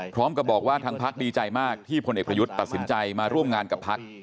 พร้อมกับบอกว่าทางพักดีใจมากที่พลเอกประยุทธ์ตัดสินใจมาร่วมงานกับพัก